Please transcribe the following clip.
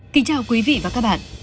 kính chào quý vị và các bạn